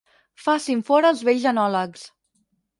Facin fora els vells enòlegs.